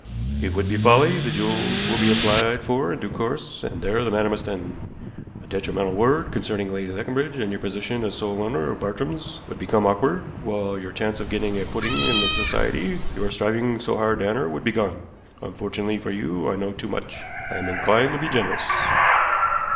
"It would be folly. The jewels will be applied for in due course, and there the matter must end. A detrimental word concerning Lady Leconbridge, and your position as sole owner of Bartrams would become awkward, while your chance of getting a footing in the society you are striving so hard to enter would be gone. Unfortunately for you, I know too much. I am inclined to be generous."